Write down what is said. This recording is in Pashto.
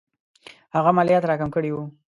هغه مالیات را کم کړي وو.